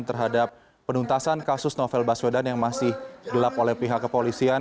terhadap penuntasan kasus novel baswedan yang masih gelap oleh pihak kepolisian